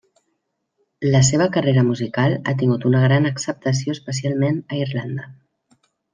La seva carrera musical ha tingut una gran acceptació especialment a Irlanda.